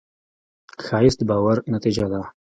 ښایست د باور نتیجه ده